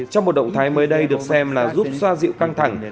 trong một động thái mới đây được xem là giúp xoa dịu căng thẳng